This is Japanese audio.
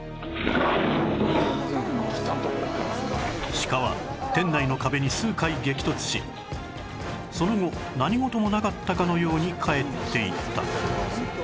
シカは店内の壁に数回激突しその後何事もなかったかのように帰っていった